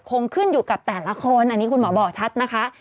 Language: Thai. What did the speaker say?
คงขึ้นอยู่กับแต่ละคนอันนี้คุณหมอบอกชัดนะคะ